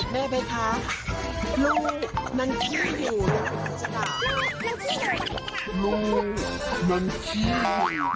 ออกแหลกการกำลังกล้องกันเมืองภิษท้องขโรงกำลังเปิดแล้ว